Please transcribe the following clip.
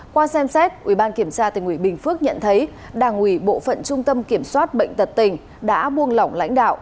qua xem xét ubktnb phước nhận thấy đảng ubktnb tật tình đã buông lỏng lãnh đạo